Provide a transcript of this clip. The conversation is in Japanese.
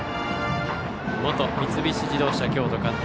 元三菱自動車京都監督